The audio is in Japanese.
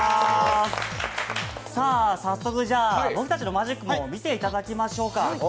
早速僕たちのマジックを見ていただきましょうか。